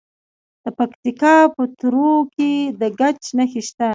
د پکتیکا په تروو کې د ګچ نښې شته.